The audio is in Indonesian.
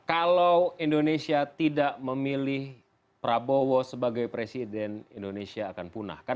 kalau indonesia tidak memilih prabowo sebagai presiden indonesia akan punah